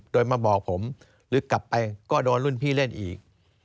โดยมาบอกผมหรือกลับไปก็โดนรุ่นพี่เล่นอีก